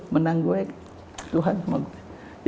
menang gue tuhan sama gue